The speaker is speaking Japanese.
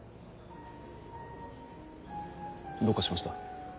どうかしました？